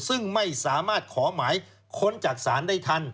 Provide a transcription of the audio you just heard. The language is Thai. ซึ่งไม่สามารถขอหมายค้นจากศาลได้ทัน